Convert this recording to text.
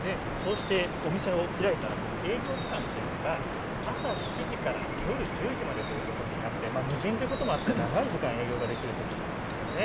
お店を開いたら営業時間というのが朝７時から夜１０時までということになって無人ということもあって長い時間営業ができるんですよね。